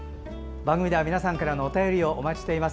番組では皆さんからのお便りをお待ちしております。